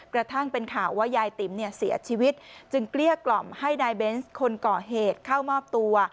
กระทั่งเป็นข่าวว่ายายติ๋มเนี่ยเสียชีวิตจึงเกลี้ยกล่อมให้นายเบนส์คนก่อเหตุเข้ามอบตัว